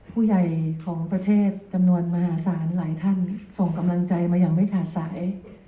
ผู้ใหญ่ของประเทศจำนวนมหาศาลหลายท่านส่งกำลังใจมาอย่างไม่ขาดสาย